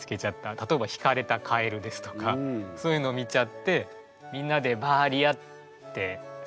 例えばひかれたカエルですとかそういうの見ちゃってみんなで「バーリア」って叫ぶ。